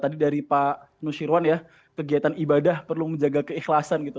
jadi dari pak nusyirwan ya kegiatan ibadah perlu menjaga keikhlasan gitu